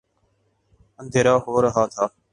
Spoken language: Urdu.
اندھیرا ہو رہا تھا۔